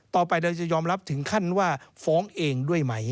ต่อไปเราจะยอมรับถึงขั้นว่าฟ้องเองด้วยไหม